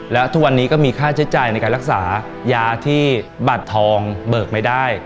และทุกวันนี้ก็มีค่าใช้จ่ายในการรักษายาที่บัตรทองเบิกไม่ได้